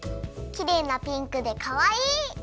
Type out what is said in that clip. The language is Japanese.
きれいなピンクでかわいい！